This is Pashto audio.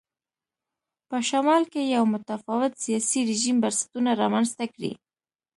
په شمال کې یو متفاوت سیاسي رژیم بنسټونه رامنځته کړي.